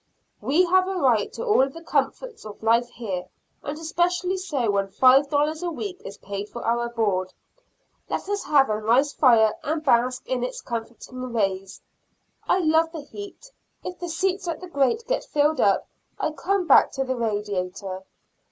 We have a right to all the comforts of life here, and especially so when five dollars a week is paid for our board; let us have a nice fire and bask in its comforting rays." I love the heat; if the seats at the grate get filled up, I come back to the radiator.